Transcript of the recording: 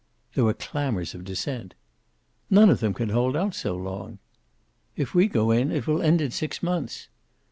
There were clamors of dissent. "None of them can hold out so long." "If we go in it will end in six months."